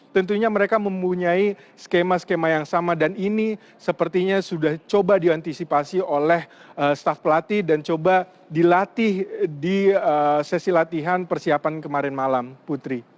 tentunya mereka mempunyai skema skema yang sama dan ini sepertinya sudah coba diantisipasi oleh staff pelatih dan coba dilatih di sesi latihan persiapan kemarin malam putri